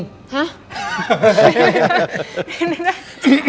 ฮะ